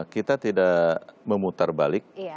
kita tidak memutar balik